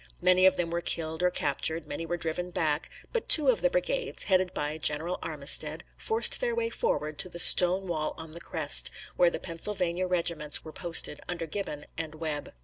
Many of them were killed or captured; many were driven back; but two of the brigades, headed by General Armistead, forced their way forward to the stone wall on the crest, where the Pennsylvania regiments were posted under Gibbon and Webb.